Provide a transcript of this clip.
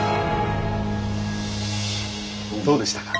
どうでしたか？